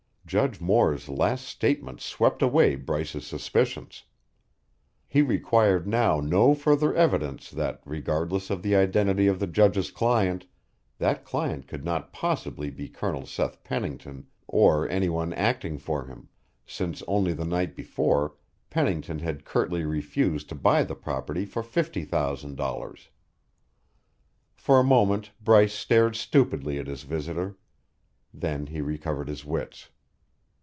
Judge Moore's last statement swept away Bryce's suspicions. He required now no further evidence that, regardless of the identity of the Judge's client, that client could not possibly be Colonel Seth Pennington or any one acting for him, since only the night before Pennington had curtly refused to buy the property for fifty thousand dollars. For a moment Bryce stared stupidly at his visitor. Then he recovered his wits.